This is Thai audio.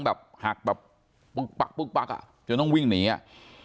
แบบหักแบบปึกปักปึกปักอ่ะต้องวิ่งหนีอ่ะ